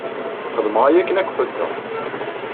Xedmeɣ aya akken ad k-ḥuddeɣ.